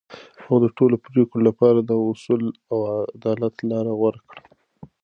هغه د ټولو پرېکړو لپاره د اصولو او عدالت لار غوره کړه.